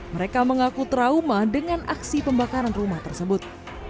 mereka mengaku trauma dengan aksi pembakaran rumah tersebut